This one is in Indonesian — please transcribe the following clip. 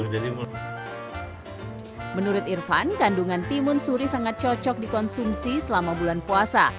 jadi menurut irfan kandungan timun suri sangat cocok dikonsumsi selama bulan puasa